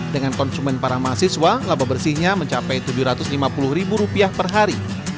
dengan konsumen para mahasiswa laba bersihnya mencapai tujuh ratus lima puluh ribu rupiah per hari